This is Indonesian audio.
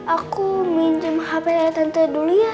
aku minjem hp sama tante dulu ya